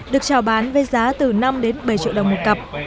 được trào bán với giá từ năm đến bảy triệu đồng một cặp